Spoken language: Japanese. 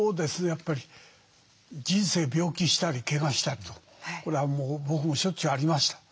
やっぱり人生病気したりけがしたりとこれは僕もしょっちゅうありました。